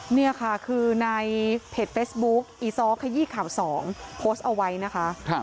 นี่ค่ะคือในเพจเฟซบุ๊คอีซ้อขยี้ข่าว๒โพสต์เอาไว้นะคะ